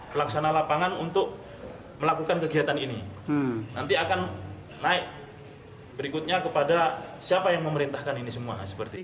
pelaksana lapangan untuk melakukan kegiatan ini nanti akan naik berikutnya kepada siapa yang memerintahkan ini semua